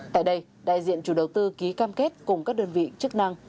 tại đây đại diện chủ đầu tư ký cam kết cùng các đơn vị chức năng